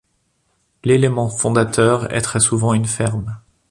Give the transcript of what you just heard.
L’élément fondateur est très souvent une ferme.